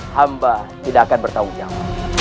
hamba tidak akan bertanggung jawab